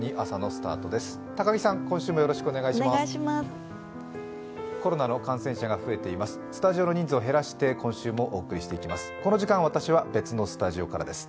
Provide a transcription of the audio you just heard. スタジオの人数を減らして今週もお送りしていきます。